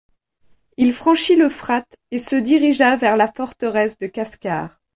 Il franchit l'Euphrate et se dirigea vers la forteresse de Kaskar.